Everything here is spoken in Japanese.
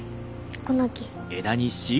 この木。